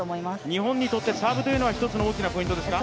日本にとってサーブは１つの大きなポイントですか。